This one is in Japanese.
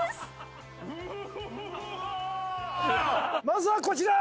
まずはこちら。